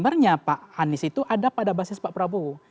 sebenarnya pak anies itu ada pada basis pak prabowo